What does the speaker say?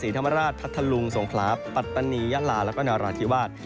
ธรรมราชพัทธลุงสงขลาปัตตานียะลาแล้วก็นราธิวาส